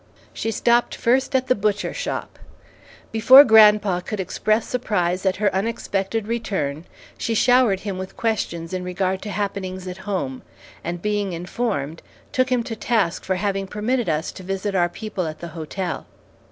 She stopped first at the butcher shop. Before grandpa could express surprise at her unexpected return, she showered him with questions in regard to happenings at home, and being informed, took him to task for having permitted us to visit our people at the hotel.